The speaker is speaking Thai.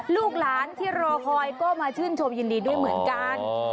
ลูกหลานที่รอคอยก็มาชื่นชมยินดีด้วยเหมือนกัน